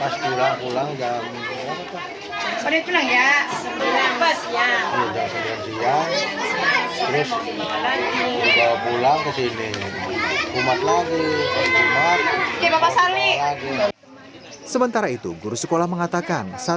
satya kondisinya belum juga berubah dan sabtu malam satya meninggal dunia